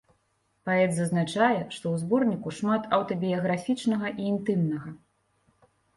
Паэт зазначае, што ў зборніку шмат аўтабіяграфічнага і інтымнага.